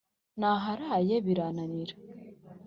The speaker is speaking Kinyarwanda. Naraharaye birananirana.